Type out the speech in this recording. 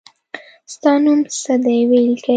ستا نوم څه دی وي لیکی